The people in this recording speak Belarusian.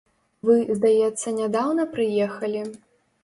Вы, здаецца, нядаўна прыехалі?